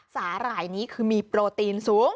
หร่ายนี้คือมีโปรตีนสูง